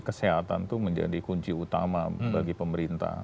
kesehatan itu menjadi kunci utama bagi pemerintah